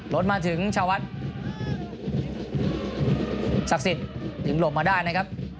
รถมาถึงชาวัดศักดิ์สิทธิ์ถึงหลบมาได้นะครับ